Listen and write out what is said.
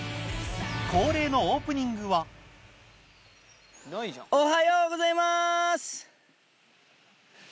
恒例のオープニングはおはようございます！